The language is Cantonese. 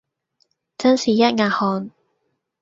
真是一額汗